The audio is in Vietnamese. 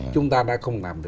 chúng ta đã không làm được